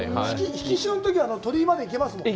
引き潮のときは鳥居まで行けますしね。